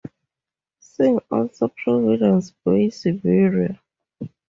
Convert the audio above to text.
See also Providence Bay, Siberia.